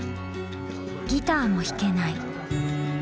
ギターも弾けない。